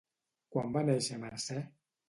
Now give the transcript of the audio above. Quan va néixer Mercè?